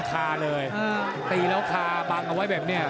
คาเลยตีแล้วคาบังเอาไว้แบบนี้